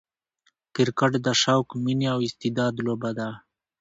کرکټ د شوق، میني او استعداد لوبه ده.